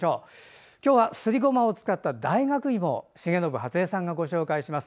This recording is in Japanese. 今日は、すりごまを使った大学いもを重信初江さんがご紹介します。